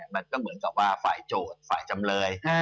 มันก็เหมือนกับว่าฝ่ายโจทย์ฝ่ายจำเลย